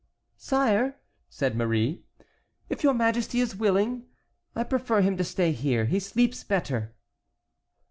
" "Sire," said Marie, "if your Majesty is willing, I prefer him to stay here; he sleeps better."